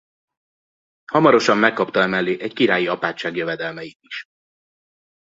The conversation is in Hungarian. Hamarosan megkapta emellé egy királyi apátság jövedelmeit is.